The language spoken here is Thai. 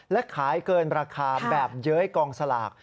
และขายเกินราคาแบบเย้ยกองสลาก